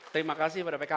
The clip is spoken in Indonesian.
terima kasih kepada pkk